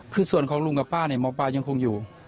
คือส่วนของลุงกับป้าเนี่ยหมอปลายังคงอยู่